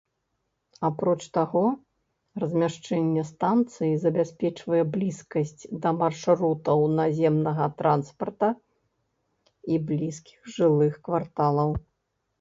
Апроч таго, размяшчэнне станцыі забяспечвае блізкасць да маршрутаў наземнага транспарта і блізкіх жылых кварталаў.